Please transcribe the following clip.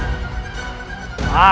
aku sudah tidak sabar